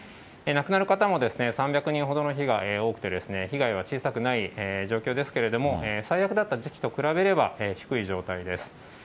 亡くなる方も３００人ほどの日が多くて、被害は小さくない状況ですけれども、最悪だった時期と比べれば、低い状態です。